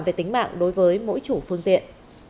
về tính mạng đối với mỗi chủ phương tiện